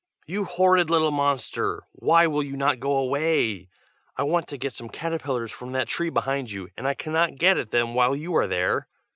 "You horrid little monster, why will you not go away? I want to get some caterpillars from that tree behind you, and I cannot get at them while you are there.